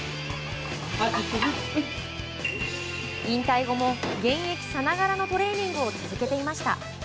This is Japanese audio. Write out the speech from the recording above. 引退後も現役さながらのトレーニングを続けていました。